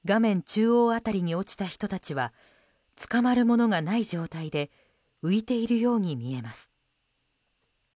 中央辺りに落ちた人たちはつかまるものがない状態で浮いているように見えます。